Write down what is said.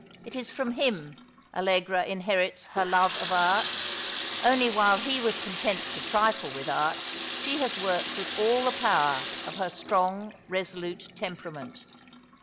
It is from him Allegra inherits lier love of art ; only while he was content to trifle with art she has worked with all the power of her strong, resolute temperament.